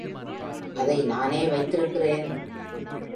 அதை நானே வைத்திருக்கிறேன்!